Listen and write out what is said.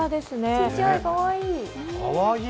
ちっちゃい、かわいい。